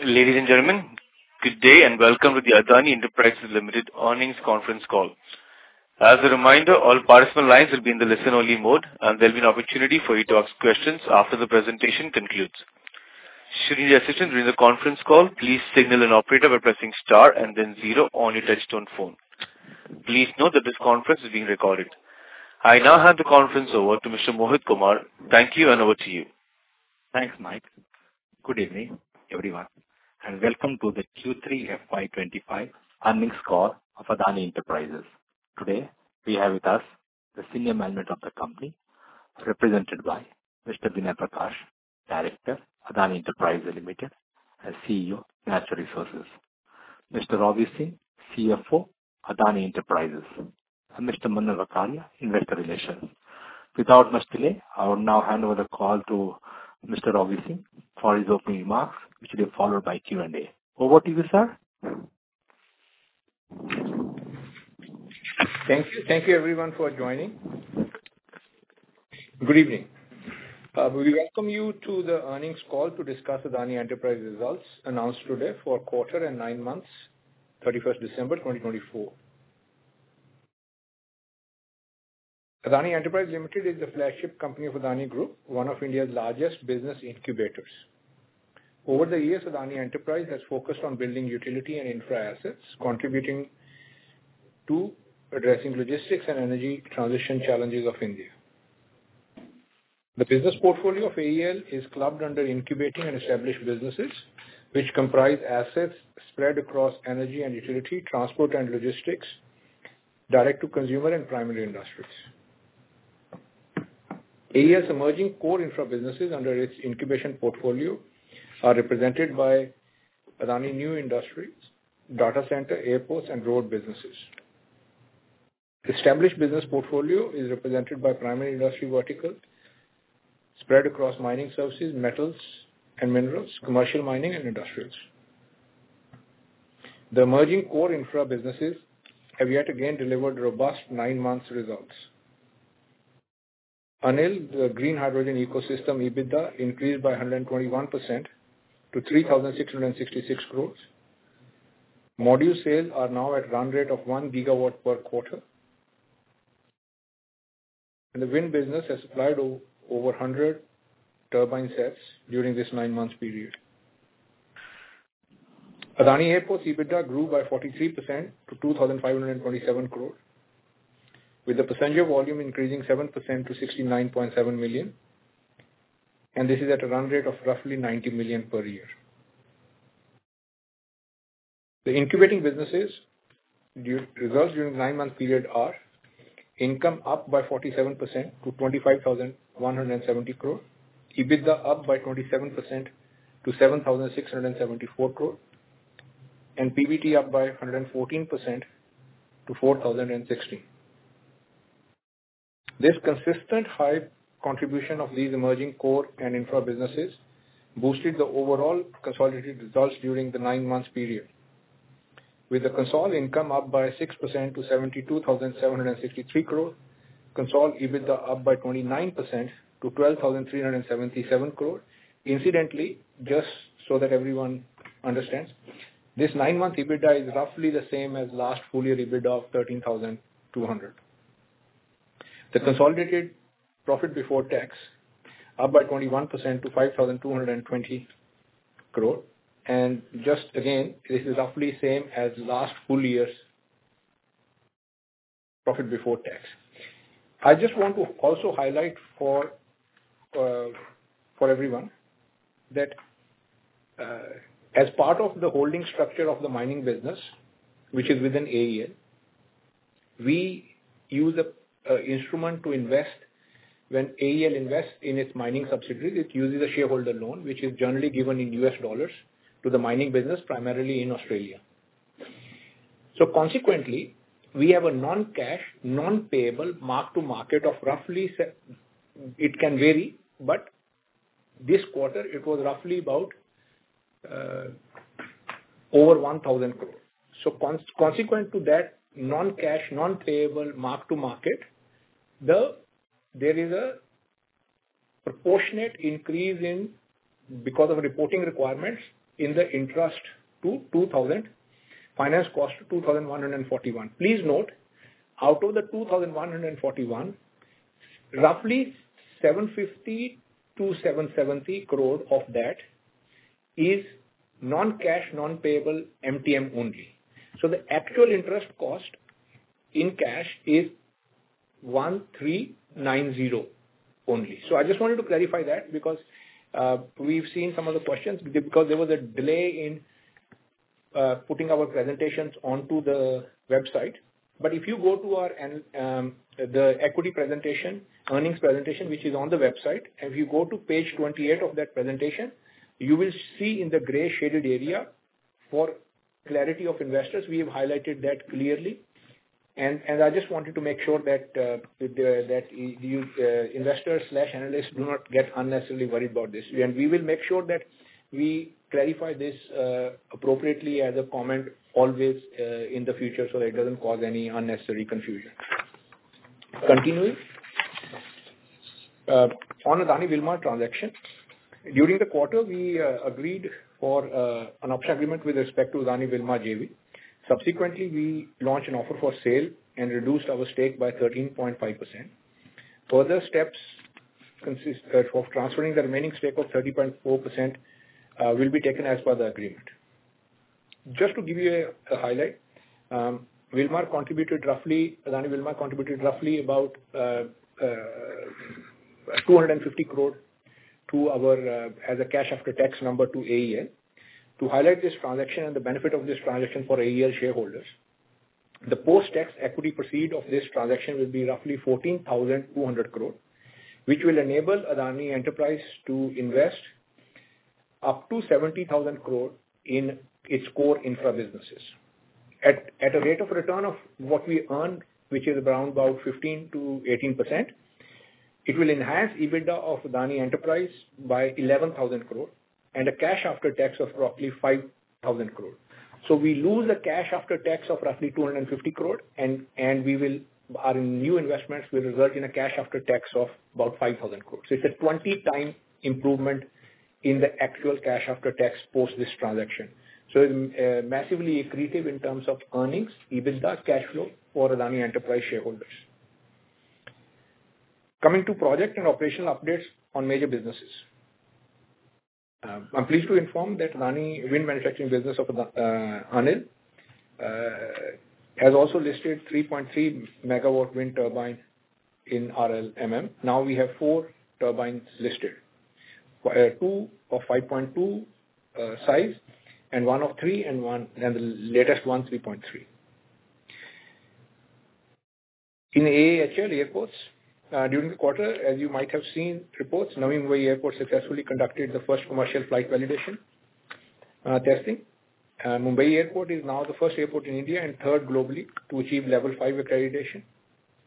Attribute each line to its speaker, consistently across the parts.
Speaker 1: Ladies and gentlemen, good day and welcome to the Adani Enterprises Limited earnings conference call. As a reminder, all participant lines will be in the listen-only mode, and there'll be an opportunity for you to ask questions after the presentation concludes. Should you need assistance during the conference call, please signal an operator by pressing star and then zero on your touch-tone phone. Please note that this conference is being recorded. I now hand the conference over to Mr. Mohit Kumar. Thank you, and over to you.
Speaker 2: Thanks, Mike. Good evening, everyone, and welcome to the Q3FY25 earnings call of Adani Enterprises. Today, we have with us the senior management of the company, represented by Mr. Vinay Prakash, Director, Adani Enterprises Limited, and CEO, Natural Resources. Mr. Robbie Singh, CFO, Adani Enterprises, and Mr. Manan Vakharia, investor relations. Without much delay, I will now hand over the call to Mr. Robbie Singh for his opening remarks, which will be followed by Q&A. Over to you, sir.
Speaker 3: Thank you, everyone, for joining. Good evening. We welcome you to the earnings call to discuss Adani Enterprises results announced today for quarter and nine months, 31st December 2024. Adani Enterprises Limited is a flagship company of Adani Group, one of India's largest business incubators. Over the years, Adani Enterprises has focused on building utility and infra assets, contributing to addressing logistics and energy transition challenges of India. The business portfolio of AEL is clubbed under incubating and established businesses, which comprise assets spread across energy and utility, transport and logistics, direct-to-consumer, and primary industries. AEL's emerging core infra businesses under its incubation portfolio are represented by Adani New Industries, data center, airports, and road businesses. Established business portfolio is represented by primary industry verticals spread across mining services, metals and materials, commercial mining, and industrials. The emerging core infra businesses have yet again delivered robust nine-month results. The ANIL ecosystem EBITDA increased by 121% to 3,666 crores. Module sales are now at a run rate of one gigawatt per quarter, and the wind business has supplied over 100 turbine sets during this nine-month period. Adani Airport EBITDA grew by 43% to 2,527 crore, with the passenger volume increasing 7% to 69.7 million, and this is at a run rate of roughly 90 million per year. The incubating businesses' results during the nine-month period are income up by 47% to 25,170 crore, EBITDA up by 27% to 7,674 crore, and PBT up by 114% to 4,060. This consistent high contribution of these emerging core and infra businesses boosted the overall consolidated results during the nine-month period, with the consol income up by 6% to 72,763 crore, consol EBITDA up by 29% to 12,377 crore. Incidentally, just so that everyone understands, this nine-month EBITDA is roughly the same as last full-year EBITDA of 13,200. The consolidated profit before tax up by 21% to 5,220 crore, and just again, this is roughly the same as last full-year profit before tax. I just want to also highlight for everyone that as part of the holding structure of the mining business, which is within AEL, we use an instrument to invest. When AEL invests in its mining subsidiaries, it uses a shareholder loan, which is generally given in U.S. dollars to the mining business, primarily in Australia. So consequently, we have a non-cash, non-payable mark-to-market of roughly it can vary, but this quarter, it was roughly about over 1,000 crore. So consequently to that non-cash, non-payable mark-to-market, there is a proportionate increase in, because of reporting requirements, the interest to 2,000, finance cost to 2,141. Please note, out of the 2,141 crore, roughly 750-770 crore of that is non-cash, non-payable MTM only. So the actual interest cost in cash is 1,390 crore only. So I just wanted to clarify that because we've seen some of the questions because there was a delay in putting our presentations onto the website. But if you go to the equity presentation, earnings presentation, which is on the website, and if you go to page 28 of that presentation, you will see in the gray shaded area for clarity of investors. We have highlighted that clearly. And I just wanted to make sure that investors/analysts do not get unnecessarily worried about this. And we will make sure that we clarify this appropriately as a comment always in the future so that it doesn't cause any unnecessary confusion. Continuing. On Adani Wilmar transaction, during the quarter, we agreed for an option agreement with respect to Adani Wilmar JV. Subsequently, we launched an offer for sale and reduced our stake by 13.5%. Further steps for transferring the remaining stake of 30.4% will be taken as per the agreement. Just to give you a highlight, Adani Wilmar contributed roughly about 250 crore as a cash-after-tax number to AEL. To highlight this transaction and the benefit of this transaction for AEL shareholders, the post-tax equity proceeds of this transaction will be roughly 14,200 crore, which will enable Adani Enterprises to invest up to 70,000 crore in its core infra businesses. At a rate of return of what we earn, which is around about 15%-18%, it will enhance EBITDA of Adani Enterprises by 11,000 crore and a cash-after-tax of roughly 5,000 crore. So we lose a cash-after-tax of roughly 250 crore, and our new investments will result in a cash-after-tax of about 5,000 crore. So it's a 20-time improvement in the actual cash-after-tax post this transaction. So it's massively accretive in terms of earnings, EBITDA, cash flow for Adani Enterprises shareholders. Coming to project and operational updates on major businesses, I'm pleased to inform that Adani Wind manufacturing business of ANIL has also listed 3.3 megawatt wind turbine in RLMM. Now we have four turbines listed, two of 5.2 size and one of 3.3 and the latest one 3.3. In AAHL airports, during the quarter, as you might have seen reports, Navi Mumbai Airport successfully conducted the first commercial flight validation testing. Mumbai Airport is now the first airport in India and third globally to achieve Level 5 accreditation,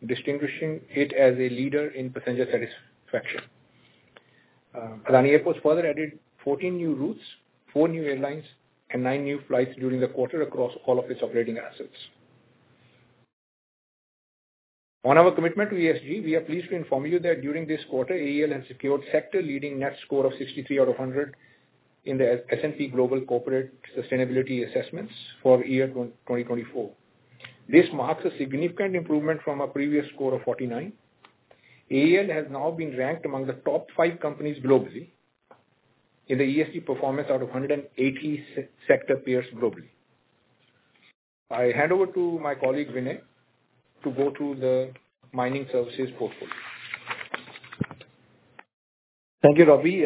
Speaker 3: distinguishing it as a leader in passenger satisfaction. Adani Airports further added 14 new routes, four new airlines, and nine new flights during the quarter across all of its operating assets. On our commitment to ESG, we are pleased to inform you that during this quarter, AEL has secured sector-leading net score of 63 out of 100 in the S&P Global Corporate Sustainability Assessments for year 2024. This marks a significant improvement from a previous score of 49. AEL has now been ranked among the top five companies globally in the ESG performance out of 180 sector peers globally. I hand over to my colleague Vinay to go through the mining services portfolio.
Speaker 4: Thank you, Robbie.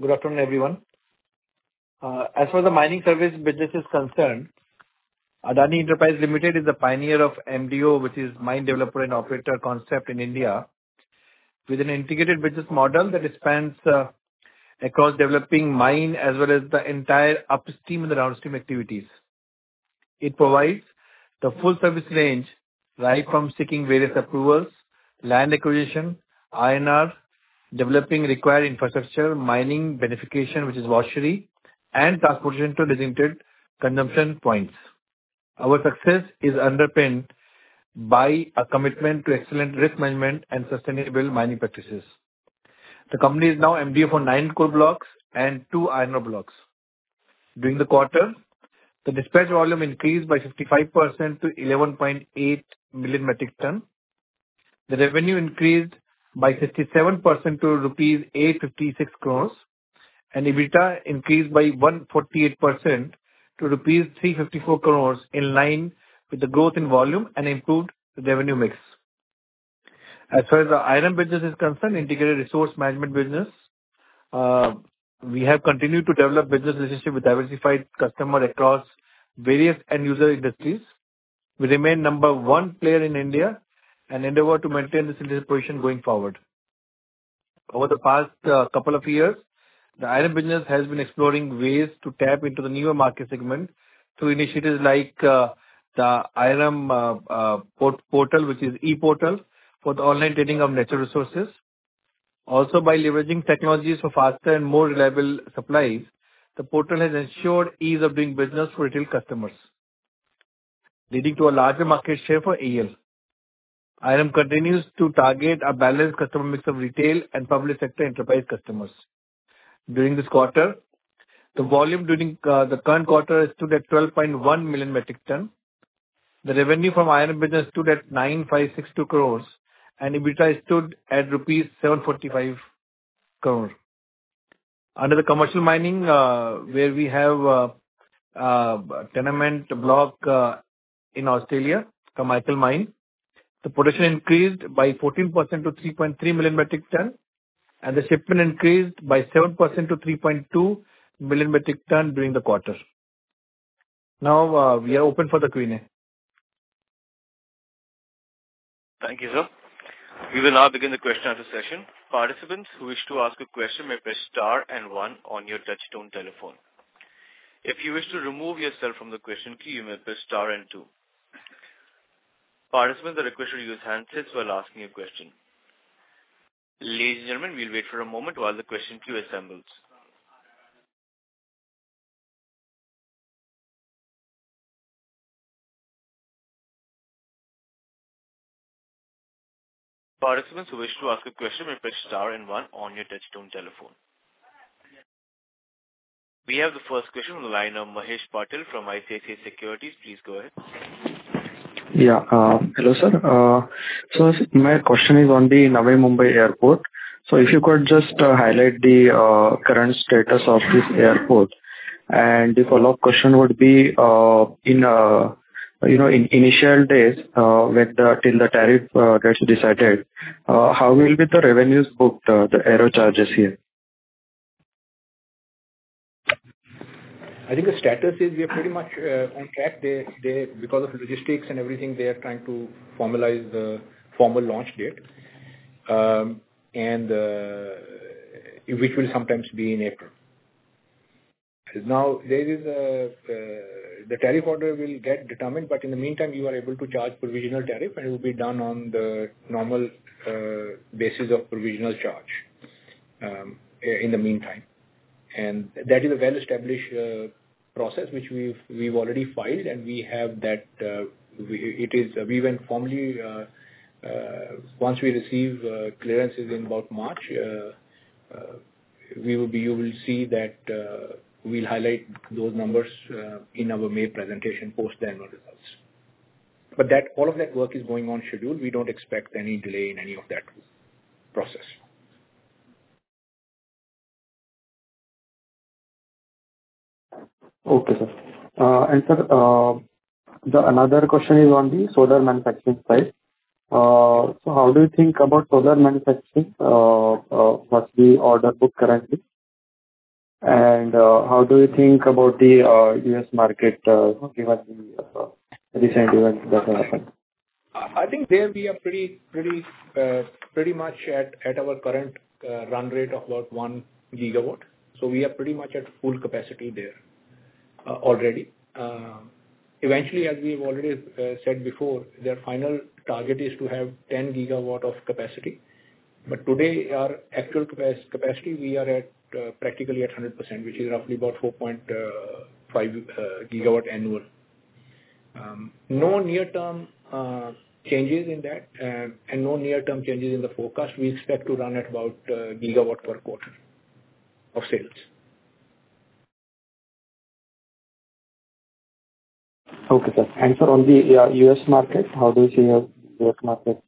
Speaker 4: Good afternoon, everyone. As for the mining service businesses concerned, Adani Enterprises Limited is the pioneer of MDO, which is mine developer and operator concept in India, with an integrated business model that spans across developing mine as well as the entire upstream and downstream activities. It provides the full service range right from seeking various approvals, land acquisition, developing required infrastructure, mining beneficiation, which is washery, and transportation to designated consumption points. Our success is underpinned by a commitment to excellent risk management and sustainable mining practices. The company is now MDO for nine coal blocks and two Iron ore blocks. During the quarter, the dispatch volume increased by 55% to 11.8 million metric tons. The revenue increased by 57% to rupees 856 crores, and EBITDA increased by 148% to rupees 354 crores in line with the growth in volume and improved revenue mix. As far as the IRM business is concerned, integrated resource management business, we have continued to develop business relationships with diversified customers across various end-user industries. We remain number one player in India and endeavor to maintain this position going forward. Over the past couple of years, the IRM business has been exploring ways to tap into the newer market segment through initiatives like the IRM portal, which is e-portal for the online trading of natural resources. Also, by leveraging technologies for faster and more reliable supplies, the portal has ensured ease of doing business for retail customers, leading to a larger market share for AEL. IRM continues to target a balanced customer mix of retail and public sector enterprise customers. During this quarter, the volume during the current quarter stood at 12.1 million metric tons. The revenue from IRM business stood at 9,562 crores, and EBITDA stood at rupees 745 crore. Under the commercial mining, where we have a tenement block in Australia for Carmichael Mine, the production increased by 14% to 3.3 million metric tons, and the shipment increased by 7% to 3.2 million metric tons during the quarter. Now we are open for the Q&A.
Speaker 1: Thank you, sir. We will now begin the question-answer session. Participants who wish to ask a question may press star and one on your touch-tone telephone. If you wish to remove yourself from the question queue, you may press star and two. Participants are requested to use handsets while asking a question. Ladies and gentlemen, we'll wait for a moment while the question queue assembles. Participants who wish to ask a question may press star and one on your touch-tone telephone. We have the first question from the line of Mahesh Patil from ICICI Securities. Please go ahead.
Speaker 5: Yeah. Hello, sir. So my question is on the Navi Mumbai Airport. So if you could just highlight the current status of this airport. And the follow-up question would be, in initial days, till the tariff rates decided, how will the revenues booked, the aero charges here?
Speaker 3: I think the status is we are pretty much on track because of logistics and everything. They are trying to formalize the formal launch date, which will sometimes be in April. Now, the tariff order will get determined, but in the meantime, you are able to charge provisional tariff, and it will be done on the normal basis of provisional charge in the meantime, and that is a well-established process, which we've already filed, and we have that we went formally. Once we receive clearances in about March, you will see that we'll highlight those numbers in our May presentation post the annual results, but all of that work is going on schedule. We don't expect any delay in any of that process.
Speaker 5: Okay, sir. And sir, another question is on the solar manufacturing side. So how do you think about solar manufacturing as our order book currently? And how do you think about the U.S. market given the recent event that has happened?
Speaker 3: I think there we are pretty much at our current run rate of about one gigawatt. So we are pretty much at full capacity there already. Eventually, as we have already said before, their final target is to have 10 gigawatt of capacity. But today, our actual capacity, we are practically at 100%, which is roughly about 4.5 gigawatt annual. No near-term changes in that, and no near-term changes in the forecast. We expect to run at about gigawatt per quarter of sales.
Speaker 5: Okay, sir, and sir, on the U.S. market, how do you see U.S. market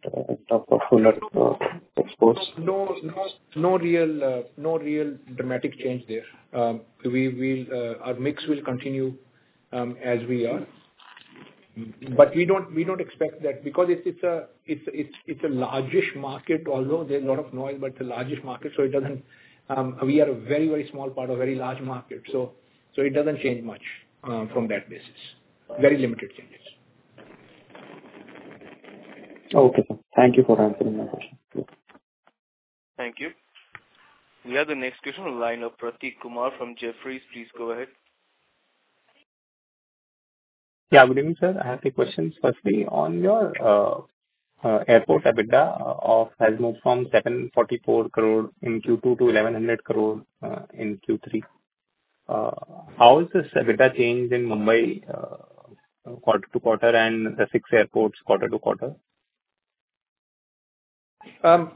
Speaker 5: exports?
Speaker 3: No real dramatic change there. Our mix will continue as we are. But we don't expect that because it's a largish market, although there's a lot of noise, but it's a largish market. So we are a very, very small part of a very large market. So it doesn't change much from that basis. Very limited changes.
Speaker 5: Okay. Thank you for answering my question.
Speaker 1: Thank you. We have the next question from the line of Prateek Kumar from Jefferies. Please go ahead.
Speaker 6: Yeah. Good evening, sir. I have three questions. Firstly, on your airports EBITDA has moved from 744 crore in Q2 to 1,100 crore in Q3. How is this EBITDA change in Mumbai quarter to quarter and the six airports quarter to quarter?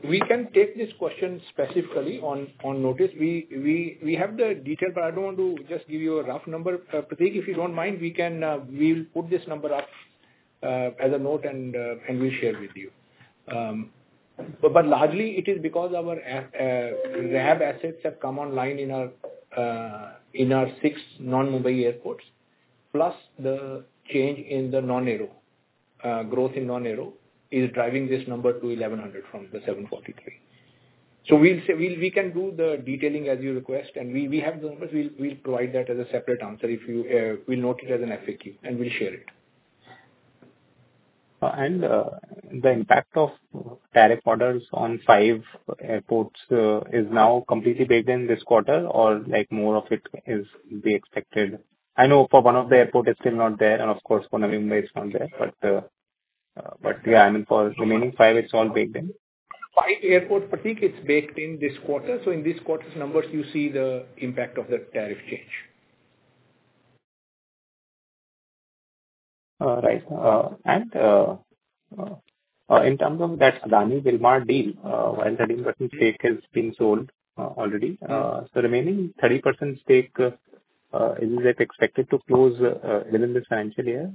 Speaker 3: We can take this question specifically on notice. We have the detail, but I don't want to just give you a rough number. Prateek, if you don't mind, we'll put this number up as a note, and we'll share with you. But largely, it is because our RAB assets have come online in our six non-Mumbai airports, plus the change in the non-aero growth in non-aero is driving this number to 1100 from the 743. So we can do the detailing as you request, and we have the numbers. We'll provide that as a separate answer. We'll note it as an FAQ, and we'll share it.
Speaker 6: The impact of tariff orders on five airports is now completely baked in this quarter, or is more of it expected? I know for one of the airports, it's still not there, and of course, for Navi Mumbai, it's not there. But yeah, I mean, for the remaining five, it's all baked in.
Speaker 3: Five airports, Prateek, it's baked in this quarter. So in this quarter's numbers, you see the impact of the tariff change.
Speaker 6: Right. And in terms of that Adani Wilmar deal, while the 10% stake has been sold already, the remaining 30% stake, is it expected to close within this financial year?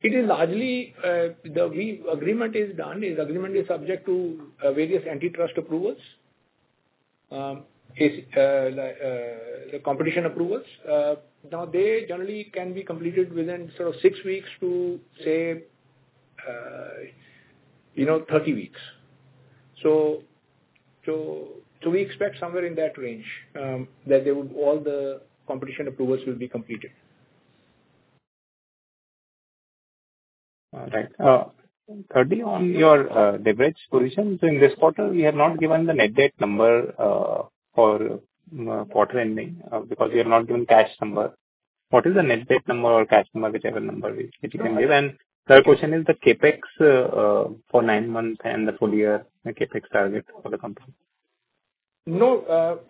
Speaker 3: It is largely the agreement is done. The agreement is subject to various antitrust approvals, the competition approvals. Now, they generally can be completed within sort of six weeks to, say, 30 weeks. So we expect somewhere in that range that all the competition approvals will be completed.
Speaker 6: Right. Currently, on your leverage position, so in this quarter, we have not given the net debt number for quarter ending because we have not given cash number. What is the net debt number or cash number, whichever number you can give? And the question is the CAPEX for nine months and the full year CAPEX target for the company.
Speaker 3: No.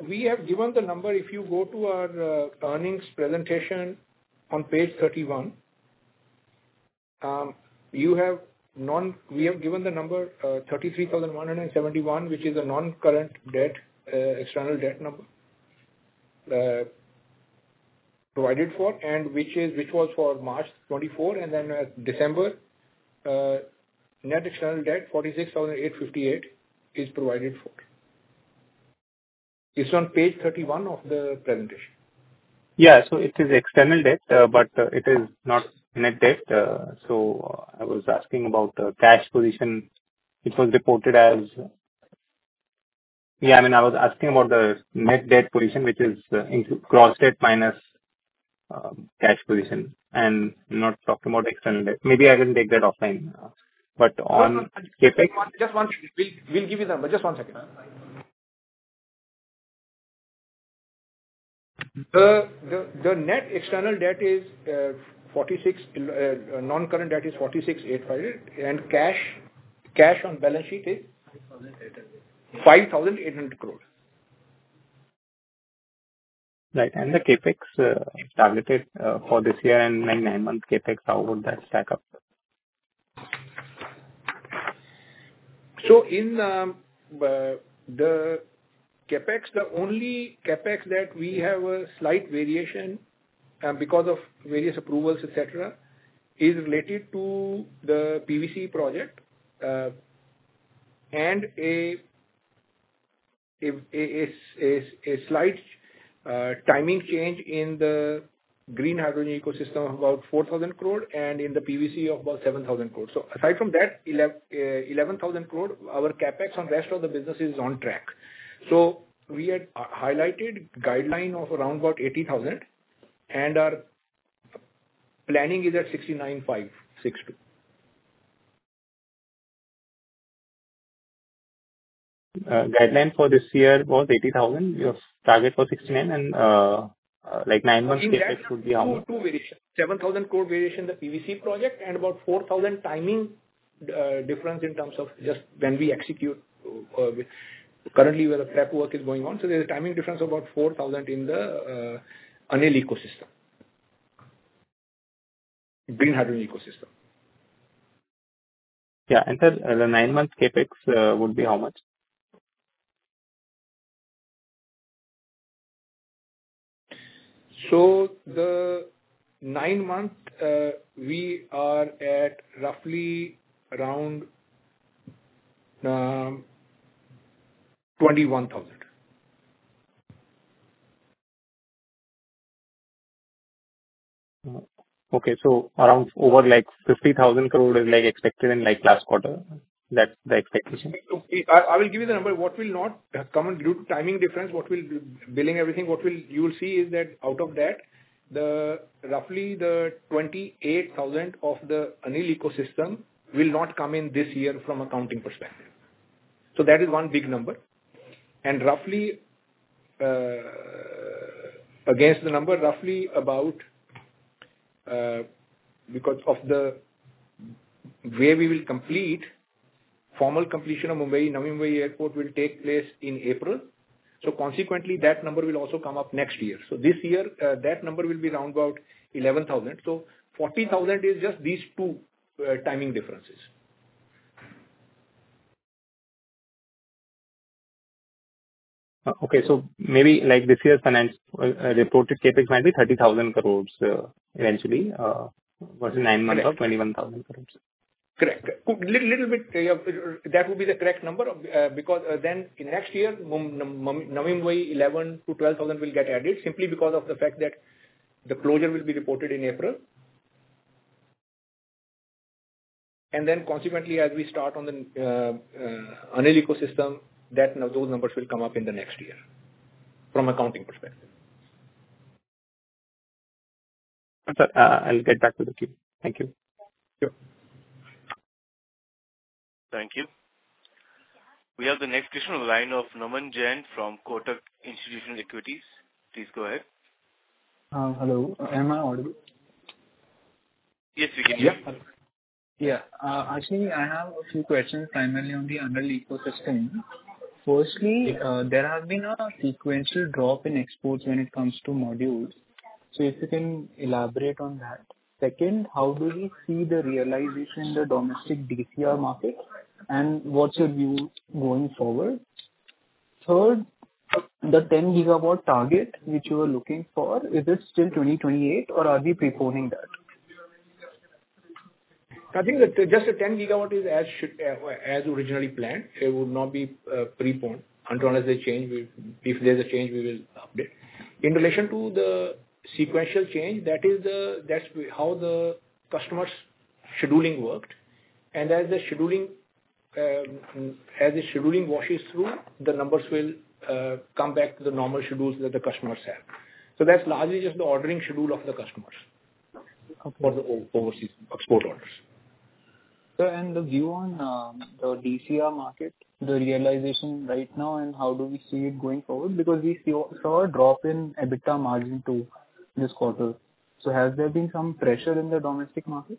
Speaker 3: We have given the number. If you go to our earnings presentation on page 31, we have given the number 33,171, which is a non-current external debt number provided for, and which was for March 2024, and then December net external debt 46,858 is provided for. It's on page 31 of the presentation.
Speaker 6: Yeah. So it is external debt, but it is not net debt. So I was asking about the cash position. It was reported as, yeah, I mean, I was asking about the net debt position, which is gross debt minus cash position, and not talking about external debt. Maybe I can take that offline. But on CAPEX.
Speaker 3: Just one second. We'll give you the number. Just one second. The net external debt is 46, non-current debt is 46,858, and cash on balance sheet is 5,800 crore.
Speaker 6: Right. And the CAPEX targeted for this year and nine-month CAPEX, how would that stack up?
Speaker 3: So in the CAPEX, the only CAPEX that we have a slight variation because of various approvals, etc., is related to the PVC project and a slight timing change in the green hydrogen ecosystem of about 4,000 crore and in the PVC of about 7,000 crore. So aside from that, 11,000 crore, our CAPEX on the rest of the business is on track. So we had highlighted guideline of around about 80,000 crore, and our planning is at 69,562 crore.
Speaker 6: Guideline for this year was 80,000. Your target for 69 and nine months CapEx would be how much?
Speaker 3: Two variations. 7,000 crore variation in the PVC project and about 4,000 timing difference in terms of just when we execute. Currently, where the prep work is going on, so there's a timing difference of about 4,000 in the ANIL ecosystem, green hydrogen ecosystem.
Speaker 6: Yeah, and sir, the nine-month CAPEX would be how much?
Speaker 3: The nine months, we are at roughly around 21,000.
Speaker 6: Okay. So around over 50,000 crore is expected in last quarter. That's the expectation.
Speaker 3: I will give you the number. What will not come due to timing difference, billing, everything, what you will see is that out of that, roughly the 28,000 of the ANIL ecosystem will not come in this year from accounting perspective. So that is one big number. And against the number, roughly about because of the way we will complete formal completion of Navi Mumbai Airport will take place in April. So consequently, that number will also come up next year. So this year, that number will be around about 11,000. So 40,000 is just these two timing differences.
Speaker 6: Okay. So maybe this year's reported CAPEX might be 30,000 crores eventually versus nine months of 21,000 crores.
Speaker 3: Correct. A little bit, that would be the correct number because then next year, Navi Mumbai 11 to 12,000 will get added simply because of the fact that the closure will be reported in April. And then consequently, as we start on the ANIL ecosystem, those numbers will come up in the next year from accounting perspective.
Speaker 6: And sir, I'll get back to the queue. Thank you.
Speaker 3: Sure.
Speaker 1: Thank you. We have the next question on the line of Naman Jain from Kotak Institutional Equities. Please go ahead.
Speaker 7: Hello. Am I audible?
Speaker 3: Yes, we can hear you.
Speaker 7: Yeah. Actually, I have a few questions primarily on the ANIL ecosystem. Firstly, there has been a sequential drop in exports when it comes to modules. So if you can elaborate on that. Second, how do you see the realization in the domestic DCR market, and what's your view going forward? Third, the 10-gigawatt target which you were looking for, is it still 2028, or are we preponing that?
Speaker 3: I think that just the 10-gigawatt is as originally planned. It would not be preponed. Until unless there's a change, we will update. In relation to the sequential change, that is how the customers' scheduling worked. And as the scheduling washes through, the numbers will come back to the normal schedules that the customers have. So that's largely just the ordering schedule of the customers for the overseas export orders.
Speaker 7: Sir, and the view on the DCR market, the realization right now, and how do we see it going forward? Because we saw a drop in EBITDA margin too this quarter. So has there been some pressure in the domestic market?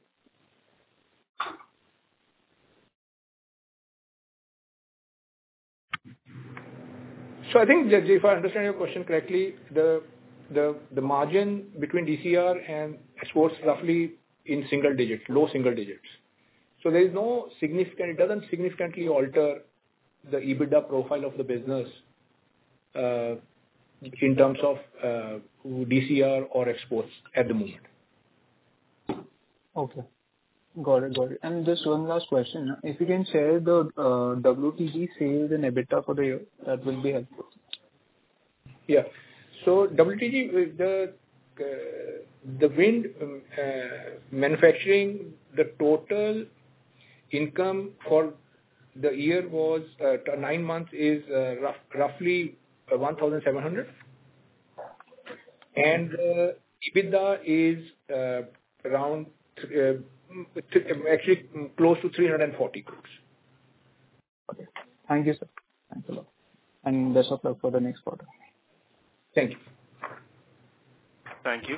Speaker 3: So I think, if I understand your question correctly, the margin between DCR and exports is roughly in single digits, low single digits. So there is no significant. It doesn't significantly alter the EBITDA profile of the business in terms of DCR or exports at the moment.
Speaker 7: Okay. Got it. Got it. And just one last question. If you can share the WTG sales and EBITDA for the year, that will be helpful.
Speaker 3: Yeah. So WTG, the wind manufacturing, the total income for the nine months is roughly 1,700. And the EBITDA is around, actually, close to 340 crores.
Speaker 7: Okay. Thank you, sir. Thanks a lot, and best of luck for the next quarter.
Speaker 3: Thank you.
Speaker 1: Thank you.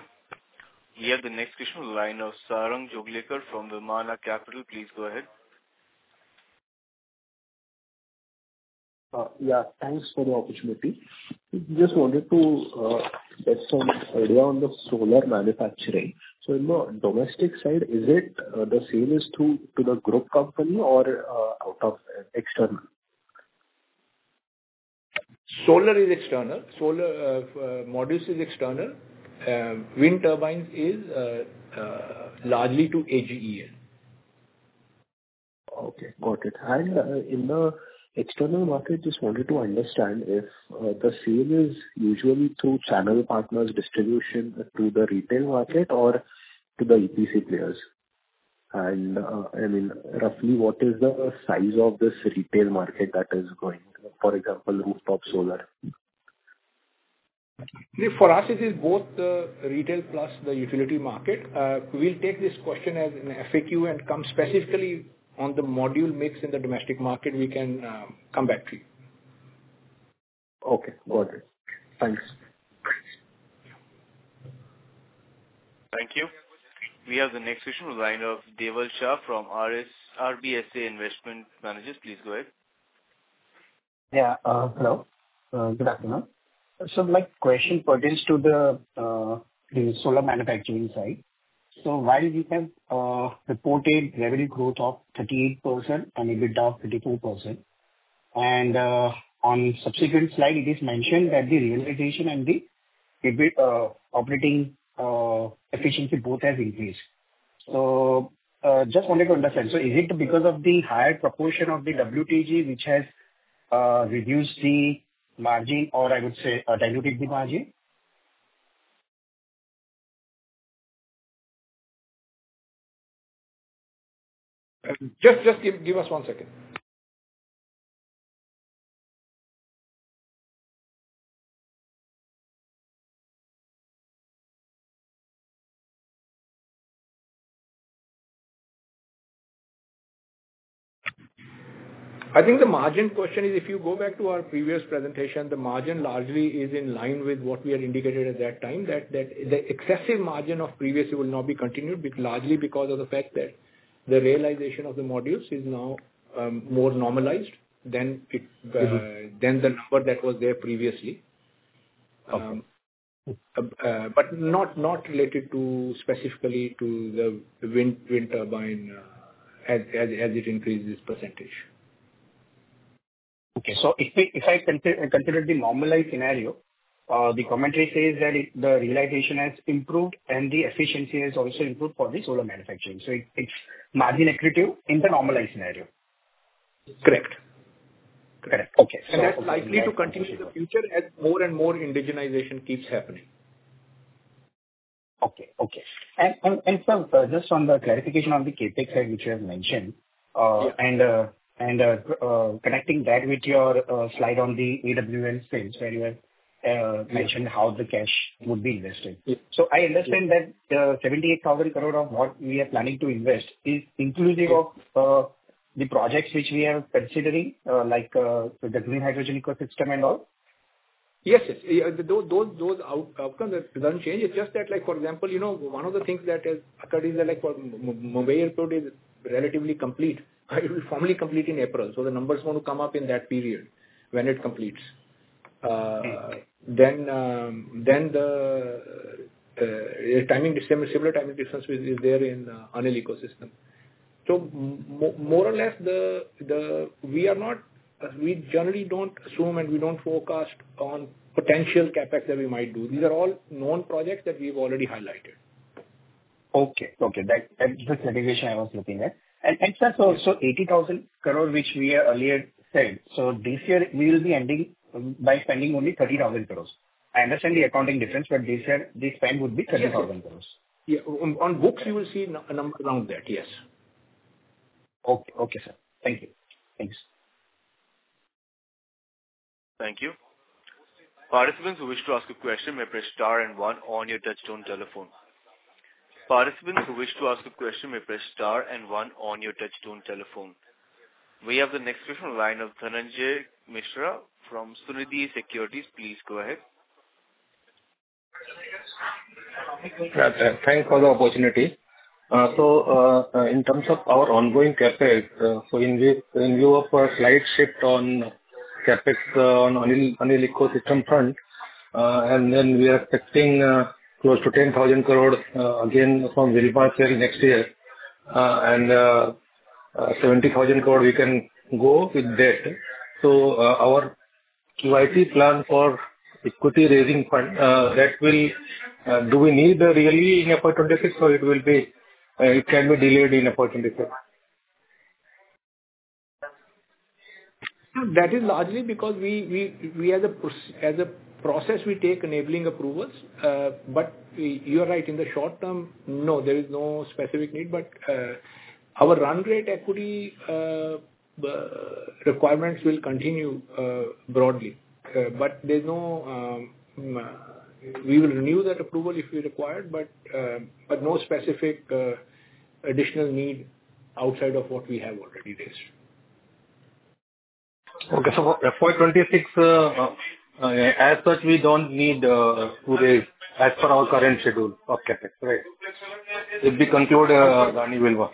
Speaker 1: We have the next question on the line of Sarang Joglekar from Vimana Capital. Please go ahead.
Speaker 8: Yeah. Thanks for the opportunity. Just wanted to get some idea on the solar manufacturing. So in the domestic side, is it the same as to the group company or out of external?
Speaker 3: Solar is external. Solar modules is external. Wind turbines is largely to AGEL.
Speaker 8: Okay. Got it. And in the external market, just wanted to understand if the sale is usually through channel partners' distribution to the retail market or to the EPC players. And I mean, roughly, what is the size of this retail market that is going, for example, rooftop solar?
Speaker 3: For us, it is both the retail plus the utility market. We'll take this question as an FAQ and come specifically on the module mix in the domestic market. We can come back to you.
Speaker 8: Okay. Got it. Thanks.
Speaker 1: Thank you. We have the next question on the line of Deval Shah from RBSA Investment Managers. Please go ahead.
Speaker 9: Yeah. Hello. Good afternoon. So my question pertains to the solar manufacturing side. So while we have reported revenue growth of 38% and EBITDA of 34%, and on subsequent slide, it is mentioned that the realization and the operating efficiency both have increased. So just wanted to understand. So is it because of the higher proportion of the WTG which has reduced the margin or, I would say, diluted the margin?
Speaker 3: Just give us one second. I think the margin question is, if you go back to our previous presentation, the margin largely is in line with what we had indicated at that time, that the excessive margin of previously will not be continued largely because of the fact that the realization of the modules is now more normalized than the number that was there previously. But not related specifically to the wind turbine as it increases percentage.
Speaker 9: If I consider the normalized scenario, the commentary says that the realization has improved and the efficiency has also improved for the solar manufacturing. It's margin equity in the normalized scenario.
Speaker 3: Correct. Correct.
Speaker 9: Okay. So that's the.
Speaker 3: That's likely to continue in the future as more and more indigenization keeps happening.
Speaker 9: Okay. Okay. And sir, just on the clarification on the CAPEX side, which you have mentioned, and connecting that with your slide on the AWL sales, where you have mentioned how the cash would be invested. So I understand that the 78,000 crore of what we are planning to invest is inclusive of the projects which we are considering, like the green hydrogen ecosystem and all?
Speaker 3: Yes. Those outcomes don't change. It's just that, for example, one of the things that has occurred is that Navi Mumbai Airport is relatively complete. It will formally complete in April. So the numbers want to come up in that period when it completes. Then the similar timing difference is there in the ANIL ecosystem. So more or less, we generally don't assume and we don't forecast on potential CAPEX that we might do. These are all known projects that we've already highlighted.
Speaker 9: Okay. Okay. That's the clarification I was looking at. And sir, so 80,000 crore, which we earlier said, so this year, we will be ending by spending only 30,000 crores. I understand the accounting difference, but this year, the spend would be 30,000 crores.
Speaker 3: Yeah. On books, you will see a number around that, yes.
Speaker 9: Okay. Okay, sir. Thank you. Thanks.
Speaker 1: Thank you. Participants who wish to ask a question may press star and one on your touch-tone telephone. We have the next question on the line of Dhananjay Mishra from Sunidhi Securities. Please go ahead.
Speaker 10: Thanks for the opportunity. So in terms of our ongoing CAPEX, so in view of a slight shift on CAPEX on the ANIL ecosystem front, and then we are expecting close to 10,000 crore again from Wilmar sale next year. And 70,000 crore, we can go with that. So our QIP plan for equity raising, that will do we need really in FY26, or it can be delayed in FY26?
Speaker 3: That is largely because as a process, we take enabling approvals. But you are right. In the short term, no, there is no specific need. But our run rate equity requirements will continue broadly. But we will renew that approval if required, but no specific additional need outside of what we have already raised.
Speaker 10: Okay. So FY26, as such, we don't need to raise as per our current schedule of CAPEX. Right? If we conclude Adani Wilmar.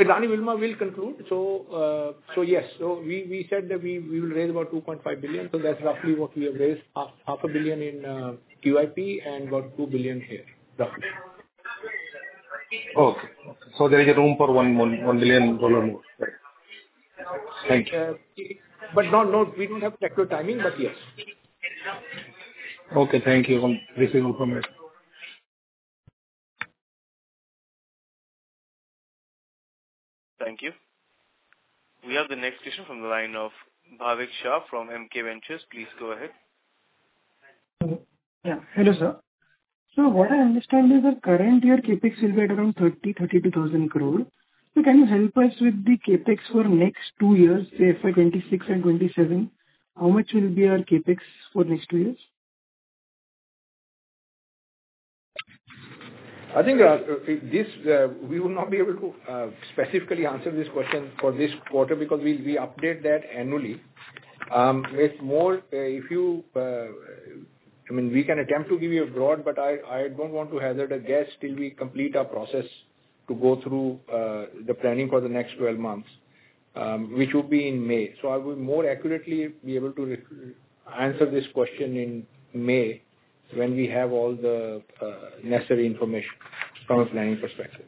Speaker 3: Adani Wilmar will conclude. So yes. So we said that we will raise about $2.5 billion. So that's roughly what we have raised, $0.5 billion in QIP and about $2 billion here, roughly.
Speaker 10: Okay. So there is a room for $1 billion more. Right. Thank you.
Speaker 3: But no, no, we don't have accurate timing, but yes.
Speaker 10: Okay. Thank you. I'm receiving information.
Speaker 1: Thank you. We have the next question from the line of Bhavik Shah from MK Ventures. Please go ahead.
Speaker 11: Yeah. Hello, sir. So what I understand is that current year, CAPEX will be at around 30,000 crore. So can you help us with the CAPEX for next two years, say FY26 and FY27? How much will be our CAPEX for next two years?
Speaker 3: I think we will not be able to specifically answer this question for this quarter because we update that annually. I mean, we can attempt to give you a broad, but I don't want to hazard a guess till we complete our process to go through the planning for the next 12 months, which would be in May. So I will more accurately be able to answer this question in May when we have all the necessary information from a planning perspective.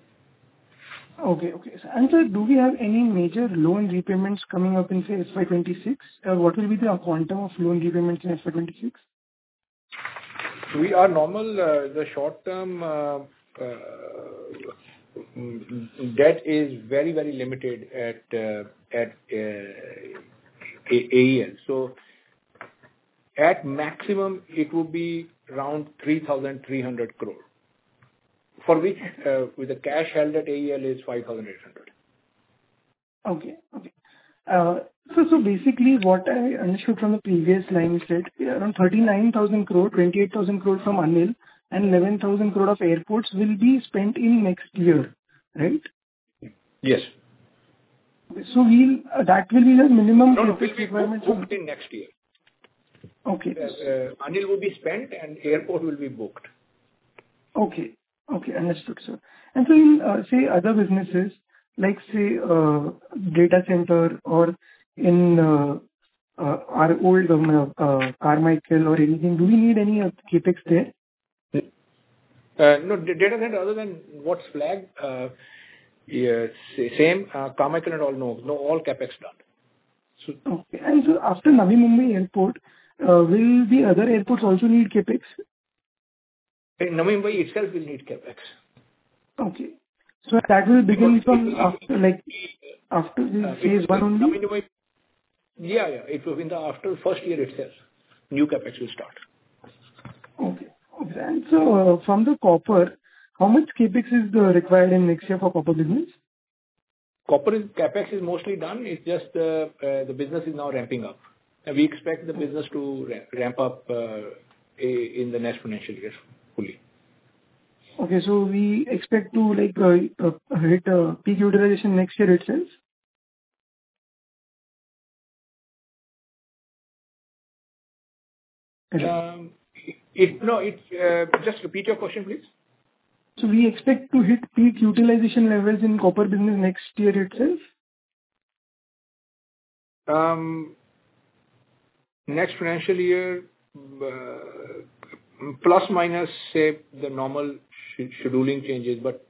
Speaker 11: Okay. And sir, do we have any major loan repayments coming up in FY26? What will be the quantum of loan repayments in FY26?
Speaker 3: The short-term debt is very, very limited at AEL. So at maximum, it would be around 3,300 crore, with cash held at AEL is 5,800.
Speaker 11: Okay. Okay. So basically, what I understood from the previous line is that around 39,000 crore, 28,000 crore from ANIL, and 11,000 crore of airports will be spent in next year. Right?
Speaker 3: Yes.
Speaker 11: Okay, so that will be the minimum requirement for.
Speaker 3: No, no. It will be booked in next year.
Speaker 11: Okay.
Speaker 3: Annual will be spent, and airport will be booked.
Speaker 11: Okay. Okay. Understood, sir. And so, say, other businesses, like say data center or in our old Carmichael or anything, do we need any CAPEX there?
Speaker 3: No. Data center, other than what's flagged, same. Carmichael and all, no. All CAPEX done.
Speaker 11: Okay. After Navi Mumbai Airport, will the other airports also need CAPEX?
Speaker 3: Navi Mumbai itself will need CAPEX.
Speaker 11: Okay. So that will begin from after phase one only?
Speaker 3: Yeah. It will be after first year itself. New CAPEX will start.
Speaker 11: From the copper, how much CapEx is required in next year for copper business?
Speaker 3: Copper CapEx is mostly done. It's just the business is now ramping up. We expect the business to ramp up in the next financial year fully.
Speaker 11: Okay. So we expect to hit peak utilization next year itself?
Speaker 3: No. Just repeat your question, please.
Speaker 11: So we expect to hit peak utilization levels in copper business next year itself?
Speaker 3: Next financial year, plus minus, say, the normal scheduling changes, but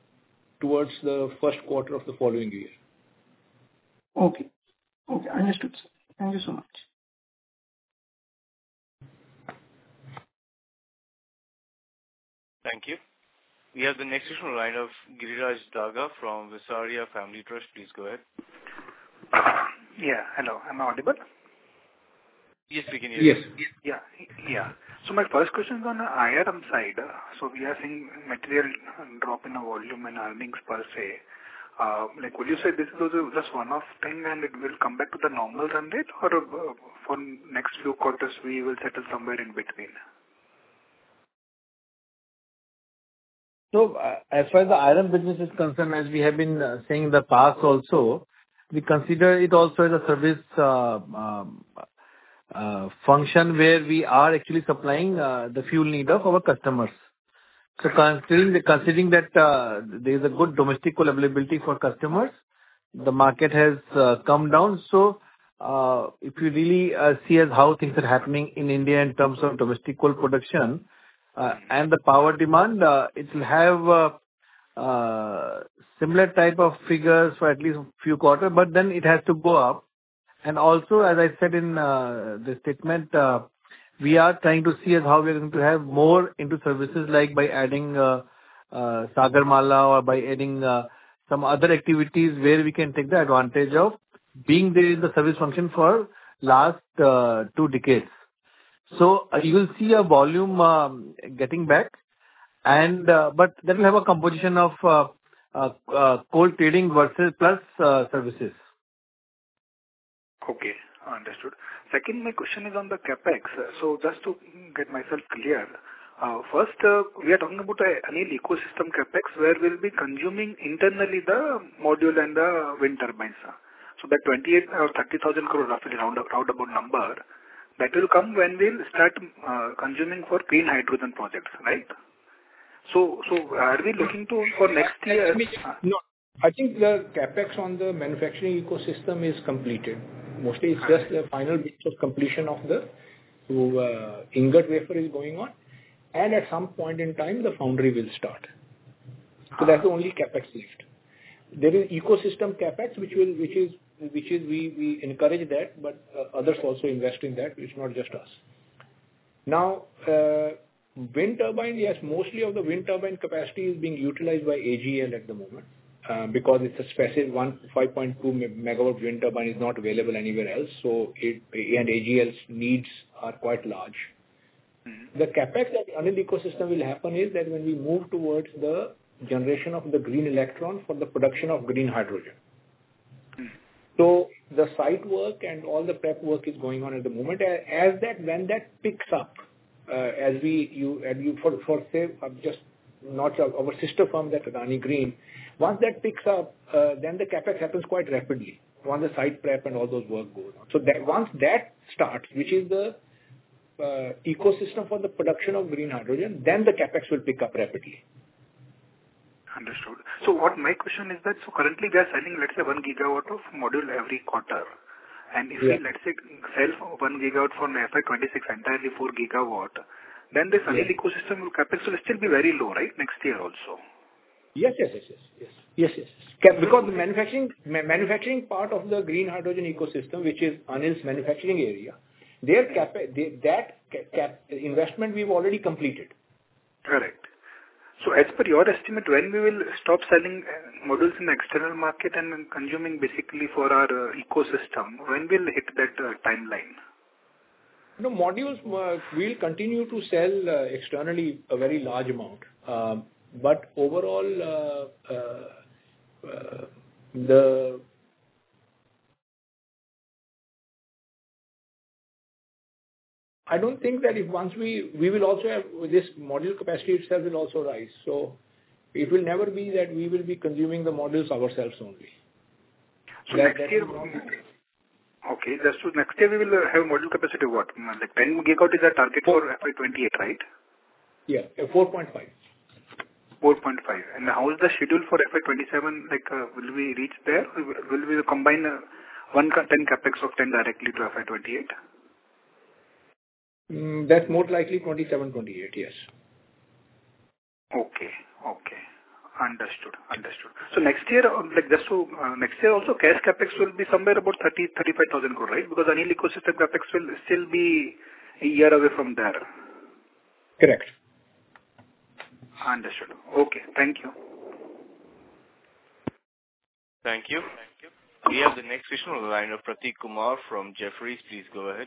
Speaker 3: towards the first quarter of the following year.
Speaker 11: Okay. Okay. Understood, sir. Thank you so much.
Speaker 1: Thank you. We have the next question on the line of Giriraj Daga from Visaria Family Trust. Please go ahead.
Speaker 12: Yeah. Hello. Am I audible?
Speaker 3: Yes, we can hear you.
Speaker 4: Yes.
Speaker 12: So my first question is on the IRM side. So we are seeing material drop in the volume and earnings per se. Would you say this is just one-off thing, and it will come back to the normal run rate, or for next few quarters, we will settle somewhere in between?
Speaker 3: So as far as the IRM business is concerned, as we have been saying in the past also, we consider it also as a service function where we are actually supplying the fuel need of our customers. So considering that there is a good domestic coal availability for customers, the market has come down. So if you really see as how things are happening in India in terms of domestic coal production and the power demand, it will have similar type of figures for at least a few quarters, but then it has to go up. And also, as I said in the statement, we are trying to see as how we are going to have more into services like by adding Sagarmala or by adding some other activities where we can take the advantage of being there in the service function for the last two decades. So you will see a volume getting back, but that will have a composition of coal trading versus plus services.
Speaker 12: Okay. Understood. Second, my question is on the CAPEX. So just to get myself clear, first, we are talking about ANIL ecosystem CAPEX, where we'll be consuming internally the module and the wind turbines. So that 28,000 crore or 30,000 crore, roughly roundabout number, that will come when we start consuming for clean hydrogen projects. Right? So are we looking to for next year?
Speaker 3: No. I think the CAPEX on the manufacturing ecosystem is completed. Mostly, it's just the final bit of completion of the ingot and wafer is going on. And at some point in time, the foundry will start. So that's the only CAPEX left. There is ecosystem CAPEX, which we encourage that, but others also invest in that. It's not just us. Now, wind turbine, yes, mostly of the wind turbine capacity is being utilized by AGL at the moment because it's a specific 5.2 megawatt wind turbine is not available anywhere else, and AGL's needs are quite large. The CAPEX that ANIL ecosystem will happen is that when we move towards the generation of the green electron for the production of green hydrogen. So the site work and all the prep work is going on at the moment. When that picks up, as you foresee, just not our sister firm, that Adani Green, once that picks up, then the CAPEX happens quite rapidly once the site prep and all those work goes on. So once that starts, which is the ecosystem for the production of green hydrogen, then the CAPEX will pick up rapidly.
Speaker 12: Understood. So my question is that so currently, we are selling, let's say, one gigawatt of module every quarter. And if we, let's say, sell one gigawatt for FY26, entirely four gigawatts, then this ANIL ecosystem CapEx will still be very low, right, next year also?
Speaker 3: Yes. Because the manufacturing part of the green hydrogen ecosystem, which is ANIL's manufacturing area, that investment we've already completed.
Speaker 12: Correct. So as per your estimate, when we will stop selling modules in the external market and consuming basically for our ecosystem, when will hit that timeline?
Speaker 3: No, modules will continue to sell externally a very large amount. But overall, I don't think that once we will also have this module capacity itself will also rise. So it will never be that we will be consuming the modules ourselves only.
Speaker 12: So next year, okay, just to next year, we will have module capacity of what? 10 gigawatt is the target for FY28, right?
Speaker 3: Yeah. 4.5.
Speaker 12: 4.5. And how is the schedule for FY27? Will we reach there? Will we combine 10 CAPEX of 10 directly to FY28?
Speaker 3: That's most likely 27-28, yes.
Speaker 12: Okay. Understood. So next year, just to next year, also cash CAPEX will be somewhere about 30,000-35,000 crore, right? Because ANIL ecosystem CAPEX will still be a year away from there.
Speaker 3: Correct.
Speaker 12: Understood. Okay. Thank you.
Speaker 1: Thank you. We have the next question on the line of Prateek Kumar from Jefferies. Please go ahead.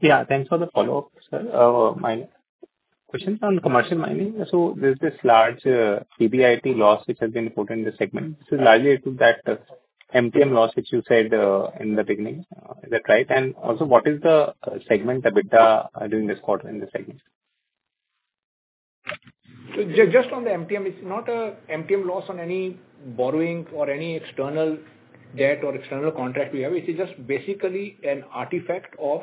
Speaker 6: Yeah. Thanks for the follow-up, sir. My question is on commercial mining. So there's this large PBT loss which has been put in the segment. This is largely due to that MTM loss which you said in the beginning. Is that right? And also, what is the segment EBITDA during this quarter in the segment?
Speaker 3: So just on the MTM, it's not an MTM loss on any borrowing or any external debt or external contract we have. It is just basically an artifact of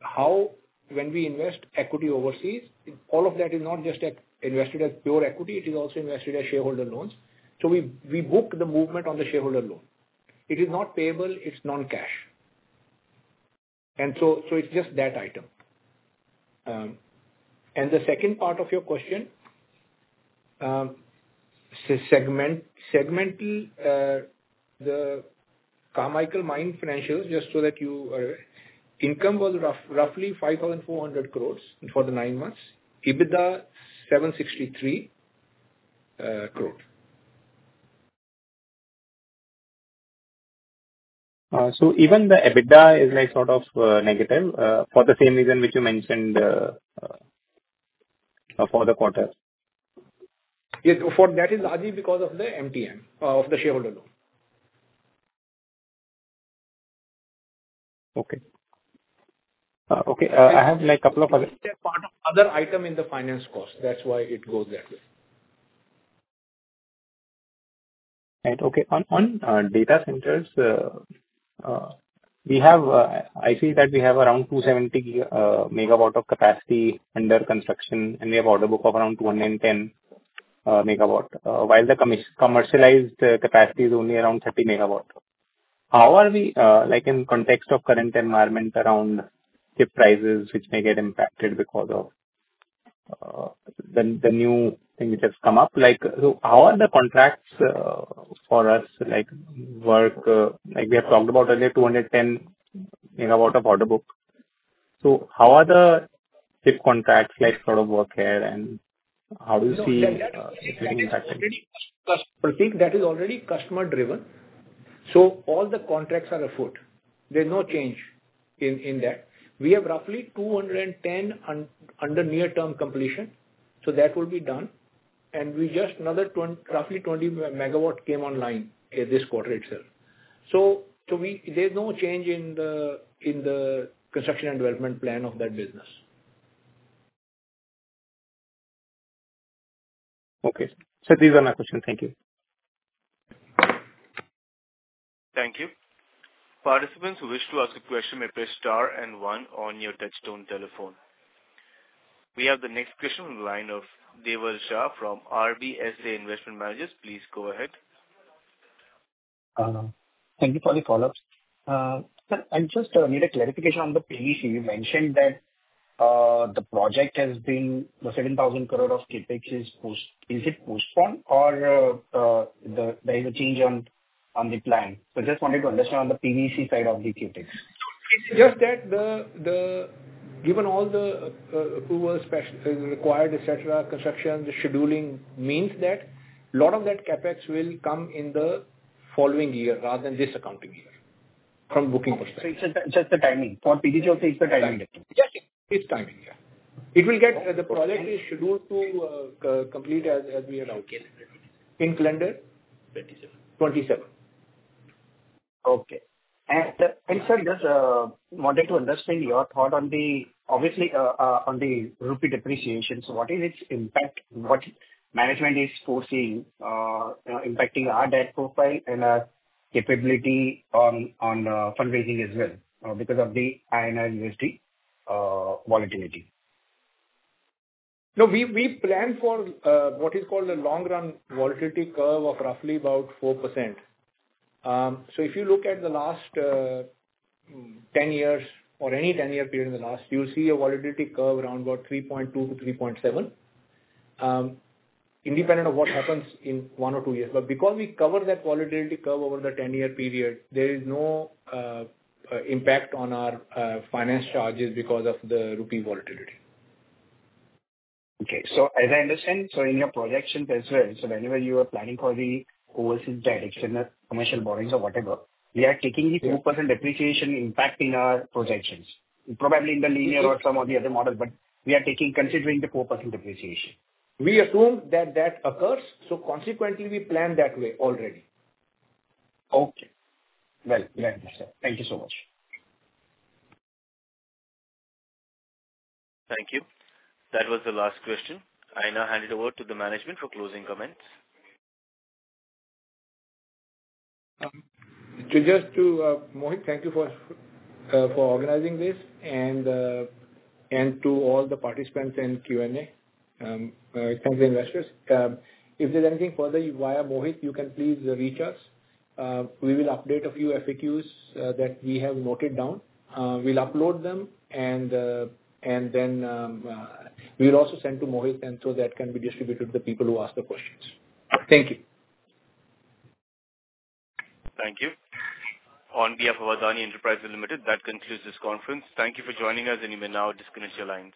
Speaker 3: how, when we invest equity overseas, all of that is not just invested as pure equity. It is also invested as shareholder loans. So we book the movement on the shareholder loan. It is not payable. It's non-cash. And so it's just that item. And the second part of your question, segment, the Carmichael Mine financials, just so that you know, income was roughly 5,400 crores for the nine months, EBITDA 763 crore.
Speaker 6: So even the EBITDA is sort of negative for the same reason which you mentioned for the quarter?
Speaker 3: Yes. That is largely because of the MTM of the shareholder loan.
Speaker 6: Okay. I have a couple of other.
Speaker 3: It is a part of other item in the finance cost. That's why it goes that way.
Speaker 6: Right. Okay. On data centers, I see that we have around 270 megawatts of capacity under construction, and we have order book of around 210 megawatts, while the commercialized capacity is only around 30 megawatts. How are we, in context of current environment, around chip prices, which may get impacted because of the new thing which has come up? So how are the contracts for us work? We have talked about earlier 210 megawatts of order book. So how are the chip contracts sort of work here, and how do you see it being impacted?
Speaker 3: Prateek, that is already customer-driven. So all the contracts are afoot. There's no change in that. We have roughly 210 under near-term completion. So that will be done, and we just another roughly 20 megawatts came online this quarter itself. So there's no change in the construction and development plan of that business.
Speaker 6: Okay. So these are my questions. Thank you.
Speaker 1: Thank you. Participants who wish to ask a question may press star and one on your touch-tone telephone. We have the next question on the line of Deval Shah from RBSA Investment Managers. Please go ahead.
Speaker 9: Thank you for the follow-ups. Sir, I just need a clarification on the PVC. You mentioned that the project has been the 7,000 crore of CAPEX is postponed, or there is a change on the plan. So I just wanted to understand on the PVC side of the CAPEX.
Speaker 3: Just that given all the approvals required, etc., construction, the scheduling means that a lot of that CAPEX will come in the following year rather than this accounting year from booking perspective.
Speaker 9: So it's just the timing. For PVC, also it's the timing.
Speaker 3: Yes. It's timing. Yeah. It will get the project is scheduled to complete as we are now. In calendar?
Speaker 4: 27.
Speaker 3: 27.
Speaker 9: Okay. And sir, just wanted to understand your thought on the, obviously, on the rupee depreciation. So what is its impact? What management is foreseeing impacting our debt profile and our capability on fundraising as well because of the INR-USD volatility?
Speaker 3: No, we plan for what is called a long-run volatility curve of roughly about 4%. So if you look at the last 10 years or any 10-year period in the last, you'll see a volatility curve around about 3.2% to 3.7%, independent of what happens in one or two years. But because we cover that volatility curve over the 10-year period, there is no impact on our finance charges because of the repeat volatility.
Speaker 9: Okay. So as I understand, in your projections as well, whenever you are planning for the overseas direction, commercial borrowings or whatever, we are taking the 4% depreciation impact in our projections, probably in the linear or some of the other models, but we are considering the 4% depreciation.
Speaker 3: We assume that that occurs. So consequently, we plan that way already.
Speaker 9: Okay. Well understood. Thank you so much.
Speaker 1: Thank you. That was the last question. I now hand it over to the management for closing comments.
Speaker 4: Just to Mohit, thank you for organizing this, and to all the participants in Q&A. Thank you, investors. If there's anything further via Mohit, you can please reach us. We will update a few FAQs that we have noted down. We'll upload them, and then we'll also send to Mohit, and so that can be distributed to the people who ask the questions. Thank you.
Speaker 1: Thank you. On behalf of Adani Enterprises Limited, that concludes this conference. Thank you for joining us, and you may now disconnect your lines.